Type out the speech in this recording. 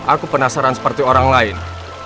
aku penasaran seperti orang lain